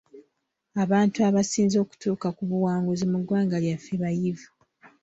Abantu abasinze okutuuka ku buwanguzi mu ggwanga lyaffe bayivu.